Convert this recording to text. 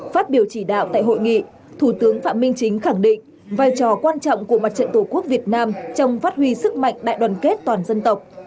phát biểu chỉ đạo tại hội nghị thủ tướng phạm minh chính khẳng định vai trò quan trọng của mặt trận tổ quốc việt nam trong phát huy sức mạnh đại đoàn kết toàn dân tộc